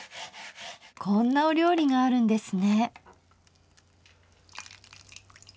こんなお料理があるんですね。